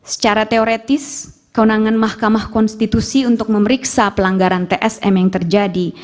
secara teoretis kewenangan mahkamah konstitusi untuk memeriksa pelanggaran tsm yang terjadi